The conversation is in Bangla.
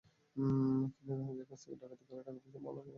তিনি ধনীদের কাছ থেকে ডাকাতি করে টাকাপয়সা, মালামাল গরিবদের বিলিয়ে দিতেন।